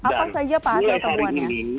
apa saja pak